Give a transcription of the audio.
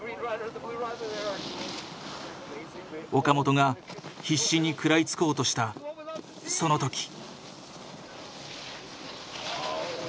岡本が必死に食らいつこうとしたその時。